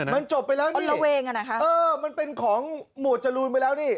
มันจบไปแล้วนี่มันเป็นของหมวดจรูนไปแล้วนี่